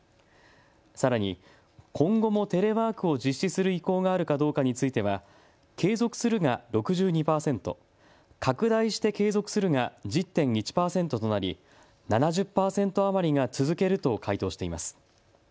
さらに今後もテレワークを実施する意向があるかどうかについては継続するが６２％、拡大して継続するが１０．１％となり７０％余りが続けると回答しています。